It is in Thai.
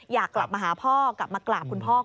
อยากกลับมาหาพ่อกลับมากราบคุณพ่อ